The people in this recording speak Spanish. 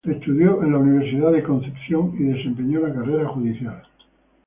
Estudió en la Universidad de Concepción y desempeñó la carrera judicial.